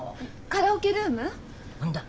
カラオケルーム？んだ。